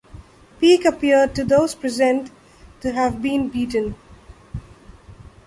Peak appeared to those present to have been beaten.